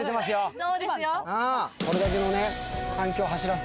そうですよ